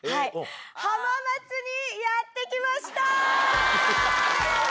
浜松にやって来ました！